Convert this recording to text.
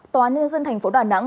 tòa án nhân dân thành phố đà nẵng